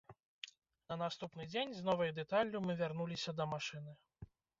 На наступны дзень з новай дэталлю мы вярнуліся да машыны.